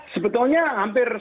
sebetulnya hampir semua